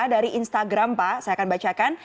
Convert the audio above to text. dari instagram pak saya akan bacakan